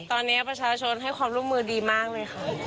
ตอนนี้ประชาชนให้ความร่วมมือดีมากเลยค่ะ